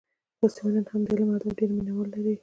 دا سیمه نن هم د علم او ادب ډېر مینه وال لري